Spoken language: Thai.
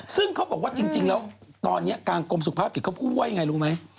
ซึ่งเขาบอกว่าจริงแล้วตอนนี้ทางกรมสุขภาพจิตเขาพูดว่ายังไงรู้ไหม